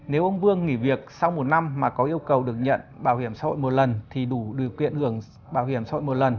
nếu ông vương nghỉ việc sau một năm mà có yêu cầu được nhận bảo hiểm xã hội một lần thì đủ điều kiện hưởng bảo hiểm xã hội một lần